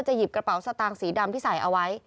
หยิบกระเป๋าสตางค์สีดำที่ใส่เอาไว้